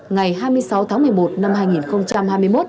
ngày hai mươi sáu tháng một mươi một năm hai nghìn hai mươi một